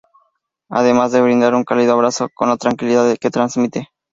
Además de brindar un cálido abrazo con la tranquilidad que transmite.